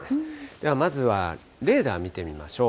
ではまずはレーダー見てみましょう。